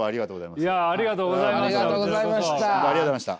いやありがとうございました。